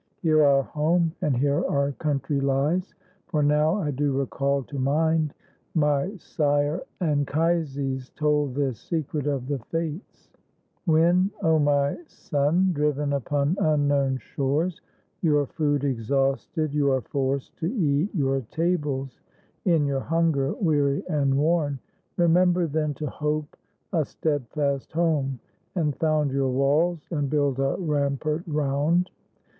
Here our home, and here our country lies. For now I do recall to mind, my sire Anchises told this secret of the fates: ' When, O my son, driven upon unknown shores, Your food exhausted, you are forced to eat Your tables in your hunger, weary and worn, Remember then to hope a steadfast home, And found your walls, and build a rampart round.